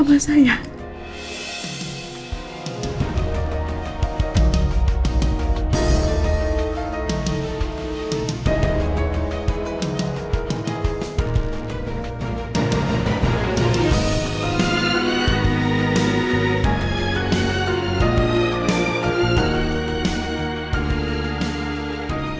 biasa dicaseh nih